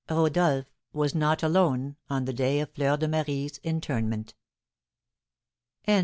Rodolph was not alone on the day of Fleur de Marie's interment. THE END.